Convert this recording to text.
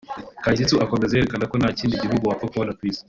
Katsingu akomeza yerekana ko nta kindi gihugu wapfa kubona ku isi